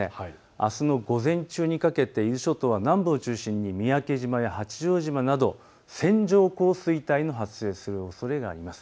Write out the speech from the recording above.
あすの午前中にかけて伊豆諸島は南部を中心に三宅島や八丈島など線状降水帯の発生するおそれがあります。